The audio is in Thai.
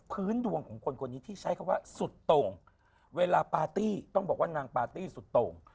พื้นดวงของคนคนนี้ที่ใช้คำว่าสุดโต่งเวลาต้องบอกว่านางสุดโต่ง